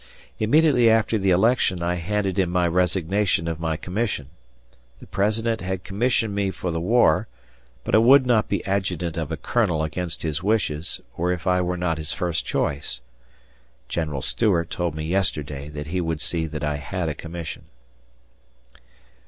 Immediately after the election I handed in my resignation of my commission. The President had commissioned me for the war, but I would not be adjutant of a Colonel against his wishes or if I were not his first choice. General Stuart told me yesterday that he would see that I had a commission.